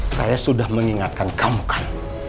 saya sudah mengingatkan kamu kan